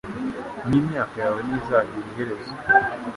n’imyaka yawe ntizagira iherezo